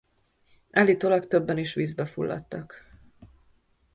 Állítólag többen vízbe is fulladtak.